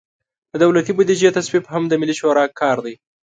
د دولتي بودیجې تصویب هم د ملي شورا کار دی.